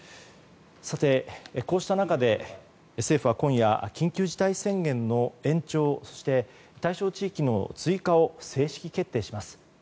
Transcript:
こうした中で、政府は今夜緊急事態宣言の延長、そして対象地域の追加を正式決定します。